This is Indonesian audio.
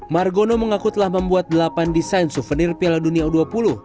margono mengaku telah membuat delapan desain souvenir piala dunia u dua puluh